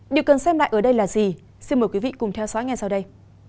điều cần xem lại ở đây là gì xin mời quý vị cùng theo dõi ngay sau đây